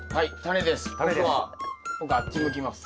僕は僕あっち向きます。